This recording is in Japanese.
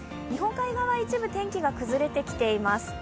日本海側、一部、天気が崩れてきています。